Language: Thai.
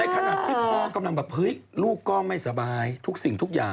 ขนาดที่พ่อกำลังแบบเฮ้ยลูกก็ไม่สบายทุกสิ่งทุกอย่าง